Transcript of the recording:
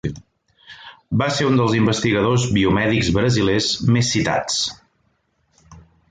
Va ser un dels investigadors biomèdics brasilers més citats.